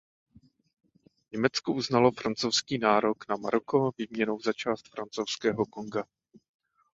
Německo uznalo francouzský nárok na Maroko výměnou za část Francouzského Konga.